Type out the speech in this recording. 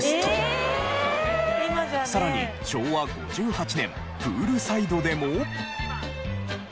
さらに昭和５８年プールサイドでも。